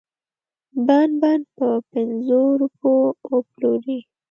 بند بند په پنځو روپو وپلوري.